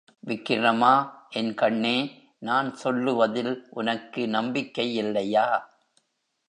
விக்கிரமா, என் கண்ணே, நான் சொல்லுவதில் உனக்கு நம்பிக்கையில்லையா?